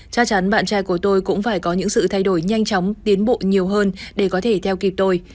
chắc chắn bạn trai của tôi cũng phải có những sự thay đổi nhanh chóng tiến bộ nhiều hơn để có thể theo kịp tôi